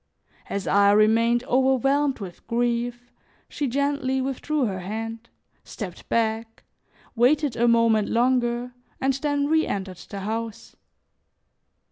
As I remained overwhelmed with grief, she gently withdrew her hand, stepped back, waited a moment longer and then reentered the house.